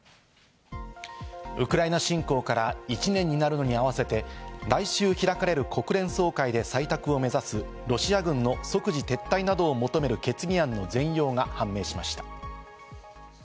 ウクライナ侵攻から１年になるのに合わせて来週開かれる国連総会で採択を目指す、ロシア軍の即時撤退などを求める決議案の全容が判明しました。